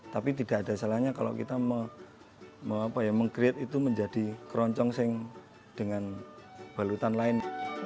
tapi tidak ada salahnya kalau kita meng create itu menjadi keroncong dengan balutan lain